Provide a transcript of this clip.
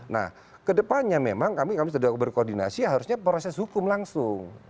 nah kedepannya memang kami sudah berkoordinasi harusnya proses hukum langsung